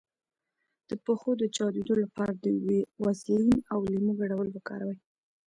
د پښو د چاودیدو لپاره د ویزلین او لیمو ګډول وکاروئ